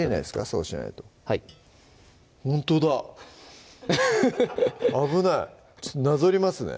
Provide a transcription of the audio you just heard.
そうしないとはいほんとだ危ないなぞりますね